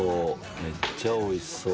めっちゃおいしそう。